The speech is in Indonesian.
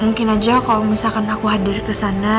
mungkin aja kalo misalkan aku hadir kesana